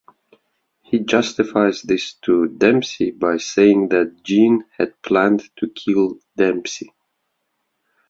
He justifies this to Dempsey by saying that Jean had planned to kill Dempsey.